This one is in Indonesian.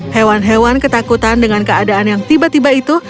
hewan hewan ketakutan dengan keadaan yang tiba tiba itu